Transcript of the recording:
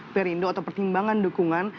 perindolp atau pertimbangan dukungan